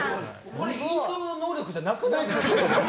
これ、イントロの能力じゃなくないですか？